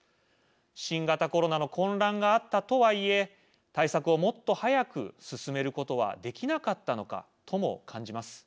新型コロナの混乱があったとは言え対策をもっと早く進めることはできなかったのかとも感じます。